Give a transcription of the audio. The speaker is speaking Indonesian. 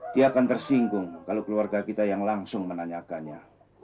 dia akan tersinggung kalau keluarga kita yang langsung menanyakannya